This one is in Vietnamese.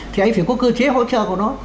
thì anh phải có cơ chế hỗ trợ của nó